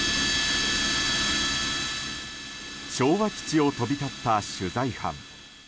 昭和基地を飛び立った取材班。